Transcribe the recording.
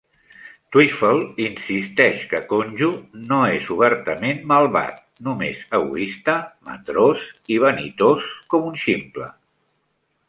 Twiffle insisteix que Conjo no és obertament malvat, només egoista, mandrós i vanitós com un ximple.